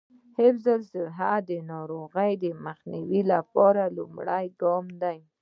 حفظ الصحه د ناروغیو مخنیوي لومړنی ګام دی.